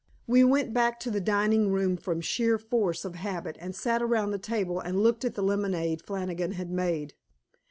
We went back to the dining room from sheer force of habit and sat around the table and looked at the lemonade Flannigan had made.